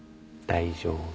大丈夫。